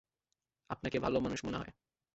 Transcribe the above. আপনাকে ভালো মানুষ মনে হয়।